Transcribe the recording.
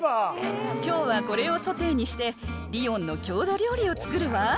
きょうはこれをソテーにして、リヨンの郷土料理を作るわ。